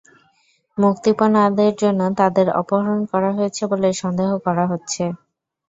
মুক্তিপণ আদায়ের জন্য তাঁদের অপহরণ করা হয়েছে বলে সন্দেহ করা হচ্ছে।